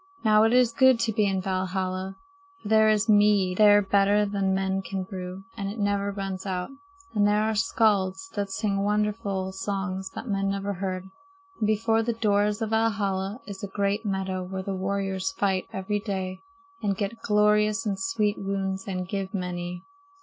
"Now it is good to be in Valhalla; for there is mead there better than men can brew, and it never runs out. And there are skalds that sing wonderful songs that men never heard. And before the doors of Valhalla is a great meadow where the warriors fight every day and get glorious and sweet wounds and give many.